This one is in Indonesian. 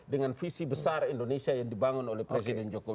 dengan visi besar indonesia yang dibangun oleh presiden jokowi